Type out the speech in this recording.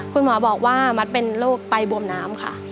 คุณหมอบอกว่ามัดเป็นโรคไตบวมน้ำค่ะ